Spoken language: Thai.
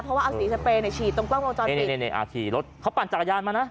เพราะว่าเอาสีสเปรย์เนี่ยฉีดตรงกล้องวงจรปิดเขาปั่นจักรยานมานะ